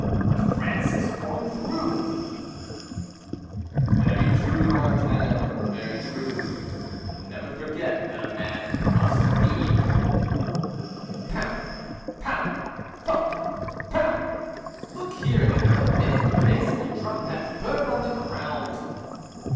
What France has gone through " "Very true, Martin, very true, But never forget that a man must feed." Pound! Pound! Thump! Pound! "Look here, in another minute Blaise will drop that bird on the ground."